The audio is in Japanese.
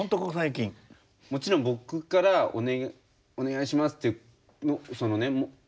もちろん僕から「お願いします」ってそのね